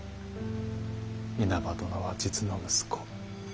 稲葉殿は実の息子。